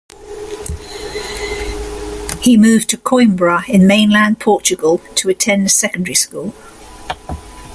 He moved to Coimbra in mainland Portugal to attend secondary school.